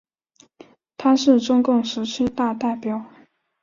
他是中共十七大代表。